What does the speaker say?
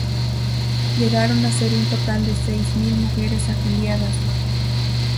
Llegaron a ser un total de seis mil mujeres afiliadas.